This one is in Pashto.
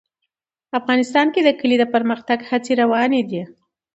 افغانستان کې د کلي د پرمختګ هڅې روانې دي.